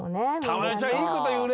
たまよちゃんいいこというね！